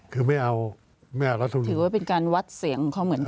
คือแทนไม่เอาถือว่ามันเป็นการวัดเสียงเขาเหมือนกัน